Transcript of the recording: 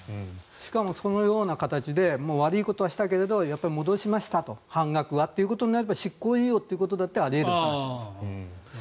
しかもそのような形で悪いことはしたけど戻しましたと、半額はということになれば執行猶予ということだってあり得るという話なんです。